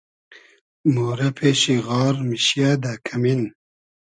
مورۂ پېشی غار میشیۂ دۂ کئمین